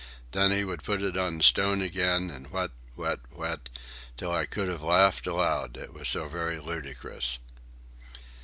Then he would put it on the stone again and whet, whet, whet, till I could have laughed aloud, it was so very ludicrous.